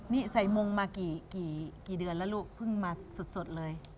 นี่ใส่มงมากี่เดือนแล้วลูกเพิ่งมาสดเลย